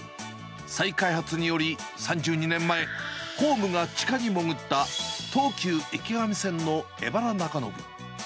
再開発により、３２年前、ホームが地下に潜った東急池上線の荏原中延。